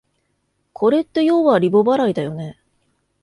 これってようはリボ払いだよね